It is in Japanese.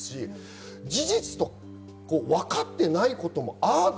事実と分かっていないことも、ああだ